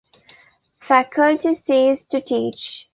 Faculty ceased to teach.